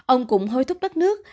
ông cũng hối thúc đất nước